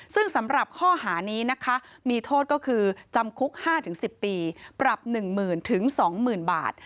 ซึ่งสำหรับข้อหานี้นะคะมีโทษก็คือจำคุก๕๑๐ปีปรับ๑๐๐๐๒๐๐๐บาท